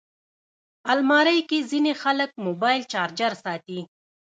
الماري کې ځینې خلک موبایل چارجر ساتي